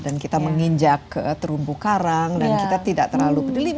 dan kita menginjak terumbu karang dan kita tidak terlalu peduli